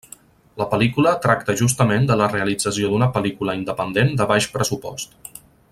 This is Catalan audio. La pel·lícula tracta justament de la realització d'una pel·lícula independent de baix pressupost.